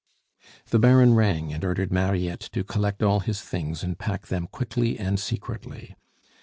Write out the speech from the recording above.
The Baron rang and ordered Mariette to collect all his things and pack them quickly and secretly.